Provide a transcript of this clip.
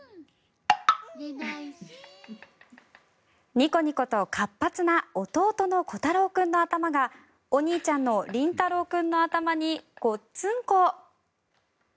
ニコニコと活発な弟のこたろう君の頭がお兄ちゃんのりんたろう君の頭にごっつんこ。